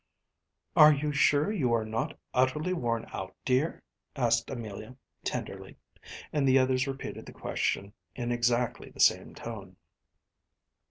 “Are you sure you are not utterly worn out, dear?‚ÄĚ asked Amelia, tenderly; and the others repeated the question in exactly the same tone.